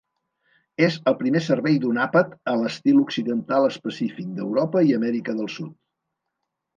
És el primer servei d'un àpat a l'estil occidental específic d'Europa i Amèrica del Sud.